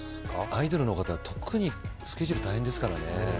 アイドルの方は特にスケジュール大変ですから。